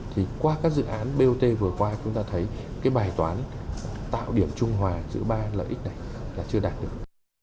thì qua các dự án bot vừa qua chúng ta thấy cái bài toán tạo điểm trung hòa giữa ba lợi ích này là chưa đạt được